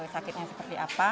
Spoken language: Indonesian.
sakitnya seperti apa